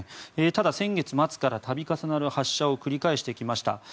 ただ、先月末から度重なる発射を繰り返してきました。